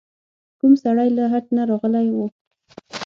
کوم سړی له حج نه راغلی و.